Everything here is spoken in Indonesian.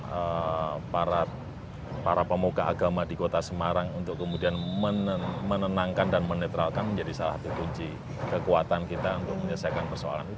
jadi kita harus mencoba untuk membuat para pemuka agama di kota semarang untuk kemudian menenangkan dan menetralkan menjadi salah satu kunci kekuatan kita untuk menyelesaikan persoalan itu